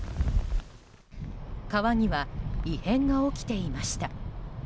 川には異変が起きていました。